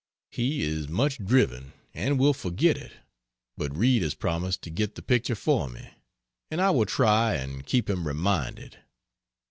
He is much driven, and will forget it, but Reid has promised to get the picture for me, and I will try and keep him reminded.